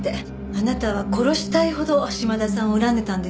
あなたは殺したいほど島田さんを恨んでいたんですね。